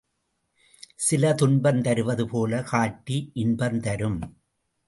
சில துன்பம் தருவது போலக் காட்டி இன்பம் தரும்.